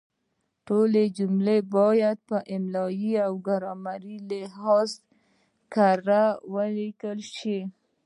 ټولې جملې باید په املایي او ګرامري لحاظ کره ولیکل شي.